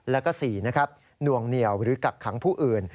แล้วก็๔นวงเหนี่ยวหรือกักขังผู้อื่น